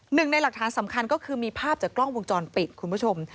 หนึ่งในหลักฐานสำคัญก็คือมีภาพจากกล้องวงจรปิดคุณผู้ชม